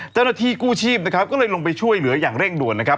เจ้าหน้าที่กู้ชีพนะครับก็เลยลงไปช่วยเหลืออย่างเร่งด่วนนะครับ